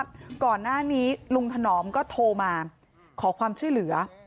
ก่อนหน้านี้ลุงถนอมก็โทรมาขอความช่วยเหลือ